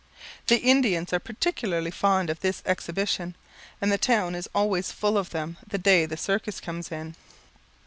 The Indians are particularly fond of this exhibition, and the town is always full of them the day the circus comes in.